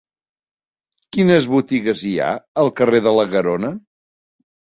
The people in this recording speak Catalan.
Quines botigues hi ha al carrer de la Garona?